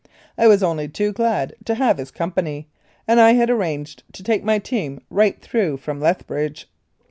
I was only too glad to have his company, and I had arranged to take my team right through from Lethbridge.